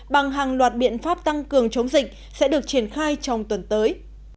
bằng hàng loạt biện pháp tăng cường chống dịch sẽ được triển khai trong tuần tới